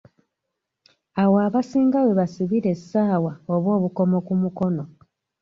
Awo abasinga we basibira essaawa oba obukomo ku mukono.